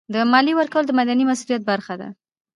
د مالیې ورکول د مدني مسؤلیت برخه ده.